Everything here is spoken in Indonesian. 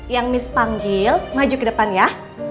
yang miss panggil maju ke depan ya